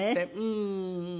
うん。